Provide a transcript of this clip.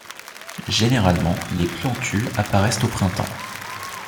Généralement les plantules apparaissent au printemps.